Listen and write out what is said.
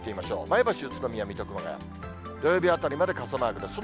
前橋、宇都宮、水戸、熊谷、土曜日あたりまで傘マークです。